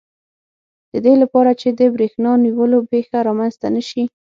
د دې لپاره چې د بریښنا نیولو پېښه رامنځته نه شي.